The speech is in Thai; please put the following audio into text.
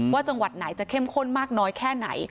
จังหวัดไหนจะเข้มข้นมากน้อยแค่ไหน